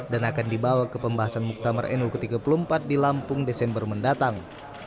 dan akan dibawa ke pembahasan muktamar nu ke tiga puluh empat di lampung desember mendatang